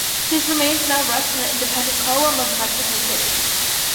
His remains now rest in the Independence Column of Mexico City.